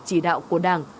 chỉ đạo của đảng